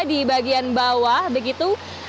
di bagian bawah begitu